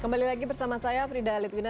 kembali lagi bersama saya frida litwina